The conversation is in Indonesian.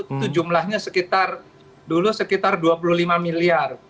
itu jumlahnya sekitar dulu sekitar dua puluh lima miliar